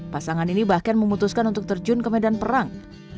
pasangan ini bahkan memutuskan untuk terjun ke medan perang